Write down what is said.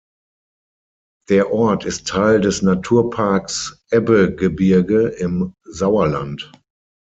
Der Ort ist Teil des Naturparks Ebbegebirge im Sauerland.